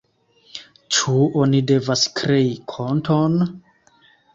Ĉu oni devas krei konton?